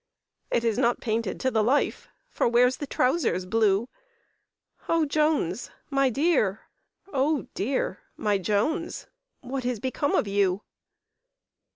"It is not painted to the life, For where's the trowsers blue? Oh Jones, my dear! Oh dear! my Jones, What is become of you?"